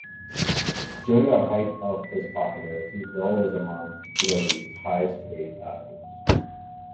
During the height of his popularity Hill was among Italy's highest-paid actors.